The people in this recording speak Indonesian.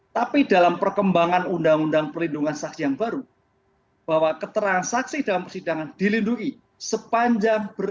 tapi dalam perkembangan undang undang perlindungan saksi yang baru bahwa keterangan saksi dalam persidangan dilindungi sepanjang beretikat baik itu mas bram